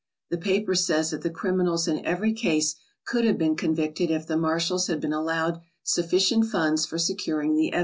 The paper says that the criminals in every case could have been convicted if the marshals had been allowed sufficient funds for securing the evidence.